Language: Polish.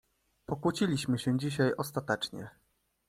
"Pokłóciliśmy się dzisiaj ostatecznie."